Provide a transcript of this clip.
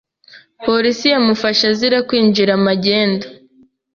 Polisi yamufashe azira kwinjiza magendu.